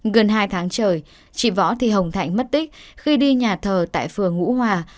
gần hai tháng trời chị võ thị hồng thạnh mất tích khi đi nhà thờ tại phường bửu hòa